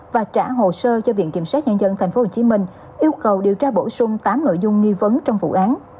và trả hồ sơ cho viện kiểm sát nhân dân tp hcm yêu cầu điều tra bổ sung tám nội dung nghi vấn trong vụ án